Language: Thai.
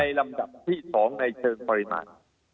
ลำดับที่๒ในเชิงปริมาณ